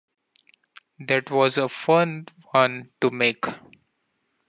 That was a fun one to make.